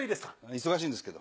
忙しいんですけど。